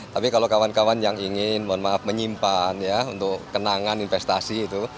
tapi kalau kawan kawan yang ingin menyimpan untuk kenangan investasi itu